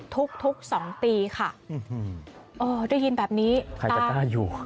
ทุกทุกสองปีค่ะอืมเออได้ยินแบบนี้ใครจะกล้าอยู่